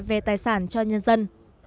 về tài sản cho nhân dân